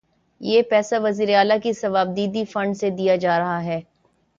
یہ پیسہ وزیر اعلی کے صوابدیدی فنڈ سے دیا جا رہا ہے۔